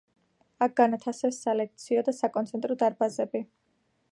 აქ განათავსეს სალექციო და საკონცერტო დარბაზები.